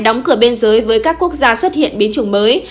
đóng cửa bên dưới với các quốc gia xuất hiện biến chủng mới